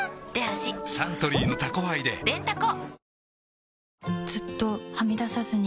サントリーの「タコハイ」ででんタコ